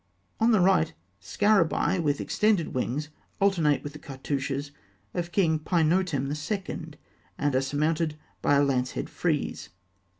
On the right, scarabaei with extended wings alternate with the cartouches of King Pinotem II., and are surmounted by a lance head frieze.